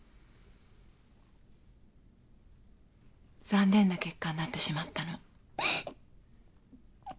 残念な結果になってしまったの。